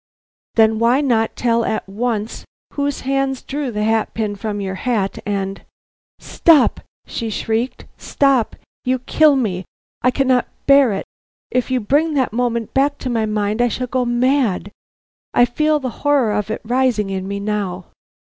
Then why not tell at once whose hand drew the hat pin from your hat and " "Stop!" she shrieked; "stop! you kill me! I cannot bear it! If you bring that moment back to my mind I shall go mad! I feel the horror of it rising in me now!